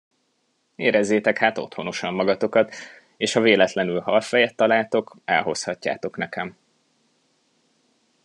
Érezzétek hát otthonosan magatokat, és ha véletlenül halfejet találtok, elhozhatjátok nekem.